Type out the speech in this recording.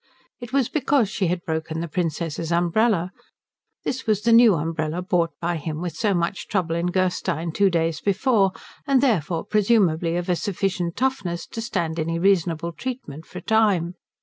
It was because she had broken the Princess's umbrella. This was the new umbrella bought by him with so much trouble in Gerstein two days before, and therefore presumably of a sufficient toughness to stand any reasonable treatment for a time.